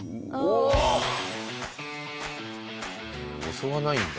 襲わないんだ。